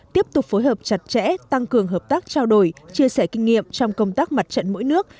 tiếp tục phối hợp chặt chẽ tăng cường hợp tác trao đổi chia sẻ kinh nghiệm trong công tác mặt trận mỗi nước